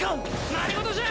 何事じゃ！？